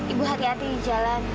ibu hati hati di jalan